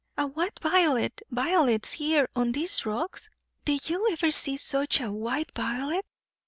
A white violet! Violets here, on these rocks?" "Did you ever see such a white violet?